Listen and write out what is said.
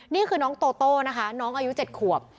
นี่คือน้องโตโต้นะคะน้องอายุ๗ขวบ